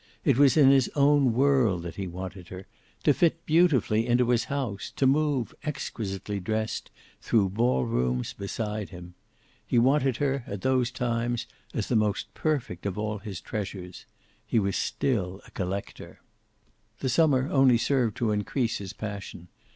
It was in his own world that he wanted her, to fit beautifully into his house, to move, exquisitely dressed, through ball rooms beside him. He wanted her, at those times, as the most perfect of all his treasures. He was still a collector! The summer only served to increase his passion.